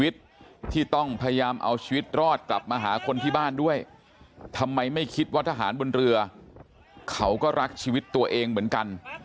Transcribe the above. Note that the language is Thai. ต้องพยายามเอาชีวิตรอดกลับมาหาคนที่บ้านด้วยทำไมไม่คิดว่าทหารบนเรือเขาก็รักชีวิตตัวเองเหมือนกัน